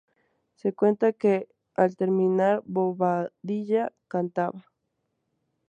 Se cuenta que, al terminar, Bobadilla cantaba.